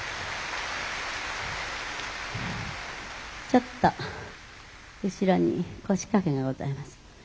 「ちょっと後ろに腰掛けがございます。